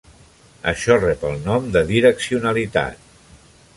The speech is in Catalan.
Això rep el nom de "direccionalitat".